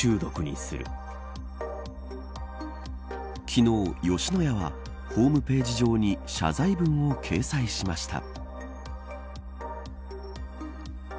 昨日吉野家は、ホームページ上に謝罪文を掲載しました。